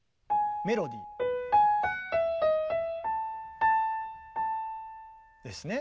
メロディー。ですね。